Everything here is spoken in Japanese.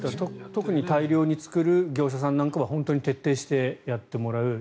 特に大量に作る業者さんなんかは徹底してやってもらう。